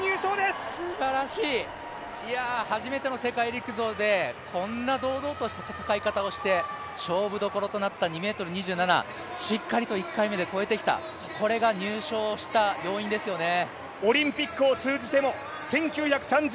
すばらしい、初めての世界陸上で、こんな堂々とした戦い方をして勝負どころとなった２ｍ２７しっかりと１回目で越えてきた、これが入賞した要因ですよね。